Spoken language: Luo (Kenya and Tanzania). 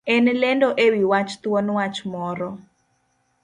En lendo ewi wach thuon wach moro.